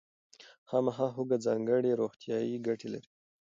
خامه هوږه ځانګړې روغتیایي ګټې لري.